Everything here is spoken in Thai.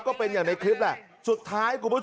ก็เป็นอย่างในคลิปแหละ